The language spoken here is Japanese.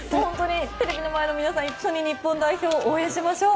テレビの前の皆さん一緒に日本代表応援しましょう。